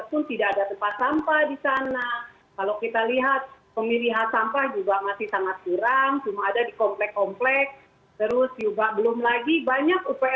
bingung tuh vlf